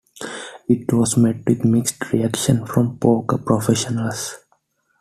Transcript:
It was met with mixed reactions from poker professionals.